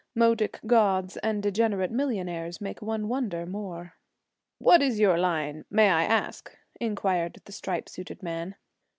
Modoc gods and degenerate millionaires make one wonder more.' 'What is your line, may I ask?' inquired the stripe suited man.